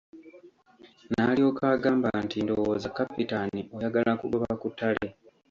N'alyoka agamba nti Ndowooza Kapitaani oyagala kugoba ku ttale.